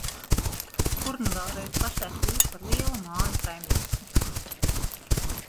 Kur nu vēl reiz pašai kļūt par lielu māju saimnieci.